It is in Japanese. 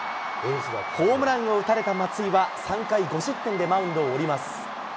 ホームランを打たれた松井は、３回５失点でマウンドを降ります。